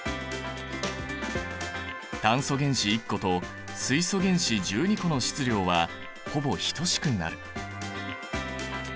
炭素原子１個と水素原子１２個の質量はほぼ等しくなる。